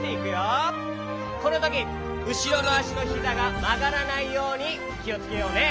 このときうしろのあしのひざがまがらないようにきをつけようね。